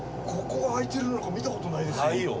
ここが開いてるのなんか見たことないですよ。